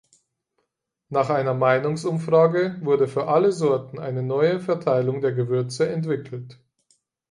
Nach einer Meinungsumfrage wurde für alle Sorten eine neue Verteilung der Gewürze entwickelt.